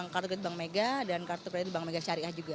kartu kredit bank mega dan kartu kredit bank mega syariah juga